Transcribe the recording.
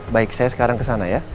baik saya sekarang kesana ya